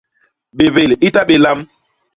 Bébél i ta bé lam!